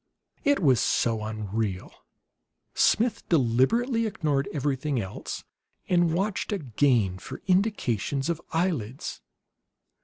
It was so unreal. Smith deliberately ignored everything else and watched again for indications of eyelids.